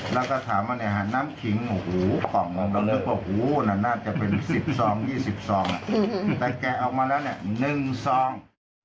แล้วก็ถามว่าน้ำขิงของเราก็คิดว่าน่าจะเป็น๑๐ซอง๒๐ซองแต่แกะออกมาแล้ว๑ซอง